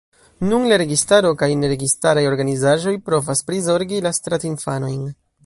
Nun la registaro kaj neregistaraj organizaĵoj provas prizorgi la strat-infanojn.